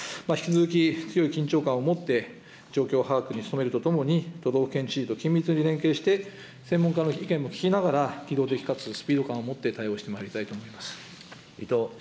引き続き強い緊張感を持って、状況把握に努めるとともに、都道府県知事と緊密に連携して、専門家の意見も聞きながら、機動的かつスピード感を持って対応してまいりたいと思います。